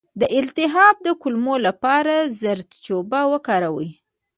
د التهاب د کمولو لپاره زردچوبه وکاروئ